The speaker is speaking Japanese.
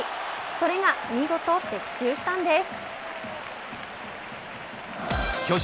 それが見事、的中したんです。